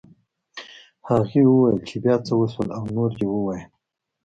هغې وویل چې بيا څه وشول او نور یې ووایه